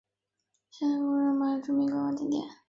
现在的孔代城堡则是法国的一个知名的观光景点。